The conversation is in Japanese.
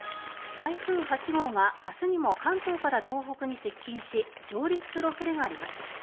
台風８号が明日にも関東から東北に接近し上陸する恐れがあります。